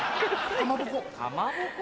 かまぼこ。